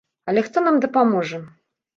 Але хто нам дапаможа?